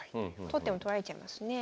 取っても取られちゃいますね。